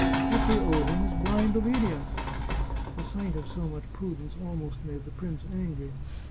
What we owe him is blind obedience." The sight of so much pru dence almost made the prince angry.